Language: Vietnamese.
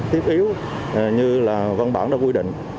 thiết yếu như là văn bản đã quy định